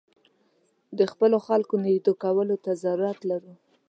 د خپلو خلکو نېږدې کولو ته ضرورت لرو.